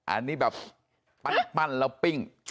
อันนี้แบบปั้นแล้วปิ้ง